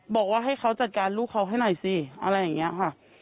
บอกว่าให้เขาจัดการลูกเขาให้หน่อยสิอะไรอย่างนี้ค่ะ